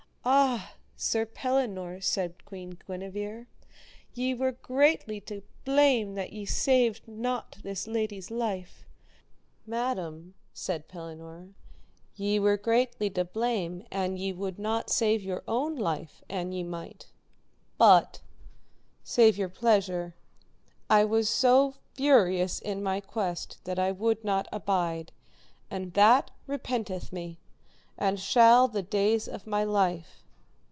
Ah! Sir Pellinore, said Queen Guenever, ye were greatly to blame that ye saved not this lady's life. Madam, said Pellinore, ye were greatly to blame an ye would not save your own life an ye might, but, save your pleasure, I was so furious in my quest that I would not abide, and that repenteth me, and shall the days of my life.